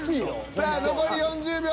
さあ残り３０秒。